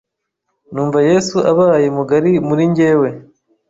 numva yesu abaye mugari muri njyewe,